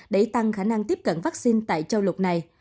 để tăng khả năng tiếp cận vaccine tại châu lục này